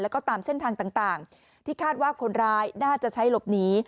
แล้วก็ตามเส้นทางต่างที่คาดว่าคนร้ายน่าจะใช้หลบหนี